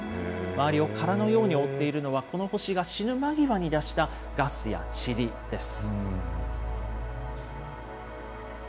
周りを殻のように覆っているのは、この星が死ぬ間際に出したガスやちりです。